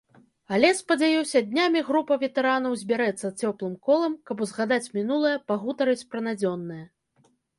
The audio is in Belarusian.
Але, спадзяюся, днямі група ветэранаў збярэцца цёплым колам, каб узгадаць мінулае, пагутарыць пра надзённае.